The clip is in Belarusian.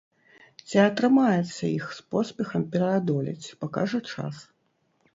Ці атрымаецца іх з поспехам пераадолець, пакажа час.